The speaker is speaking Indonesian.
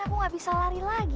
semoga bersantai lagi